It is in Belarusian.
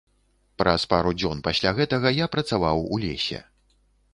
Праз пару дзён пасля гэтага я працаваў у лесе.